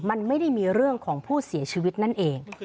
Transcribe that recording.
มันไม่ได้มีเรื่องของผู้เสียชีวิตนั่นเอง